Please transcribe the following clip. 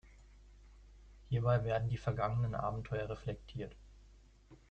Hierbei werden die vergangenen Abenteuer reflektiert.